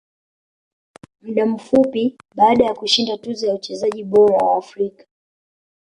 Muda mfupi baada ya kushinda tuzo ya mchezaji bora wa Afrika